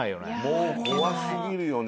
もう怖過ぎるよね。